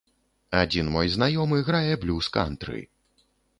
Адзін мой знаёмы грае блюз, кантры.